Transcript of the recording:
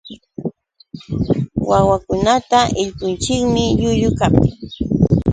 Wawakunata illpunchikmi llullu kaptin.